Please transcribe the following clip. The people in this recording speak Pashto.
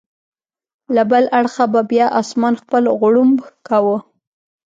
له بل اړخه به بیا اسمان خپل غړومب کاوه.